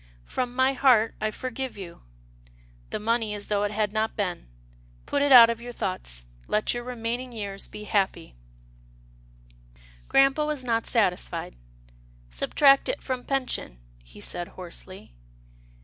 From my heart, I forgive you. The money is though it had not been. Put it out of your thoughts. Let your remaining years be happy," Grampa was not satisfied. " Subtract it from pension," he said hoarsely.